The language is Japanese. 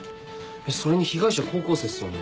それに被害者高校生っすよね